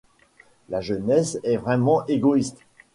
La jeunesse est vraiment égoïste.